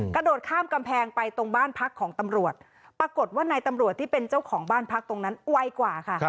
กระโดดข้ามกำแพงไปตรงบ้านพักของตำรวจปรากฏว่านายตำรวจที่เป็นเจ้าของบ้านพักตรงนั้นไวกว่าค่ะ